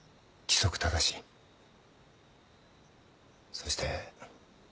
そして。